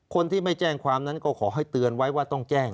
คนที่ไม่แจ้งก็ขอให้เตือนไว้ว่าต้องแจ้ง